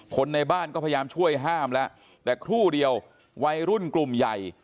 คนในบ้านก็พยายามช่วยห้ามแล้วแต่ครู่เดียววัยรุ่นกลุ่มใหญ่